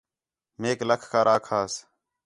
میک لَکھ کر آکھاس